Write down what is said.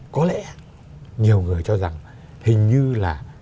có lẽ nhiều người cho rằng hình như là